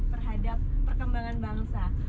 terhadap perkembangan bangsa